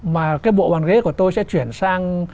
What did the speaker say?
mà cái bộ bàn ghế của tôi sẽ chuyển sang